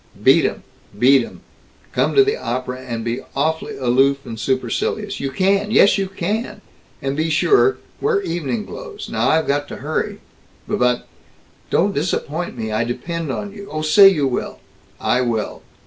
Beat 'em! Beat 'em! Come to the opera and be awf'ly aloof and supercilious. You can! Yes, you can! And be sure wear evening clothes. Now I've got to hurry." "B but " "Don't disappoint me. I depend on you. Oh, say you will!" "I will!"